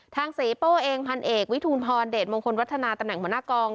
เสียโป้เองพันเอกวิทูลพรเดชมงคลวัฒนาตำแหน่งหัวหน้ากอง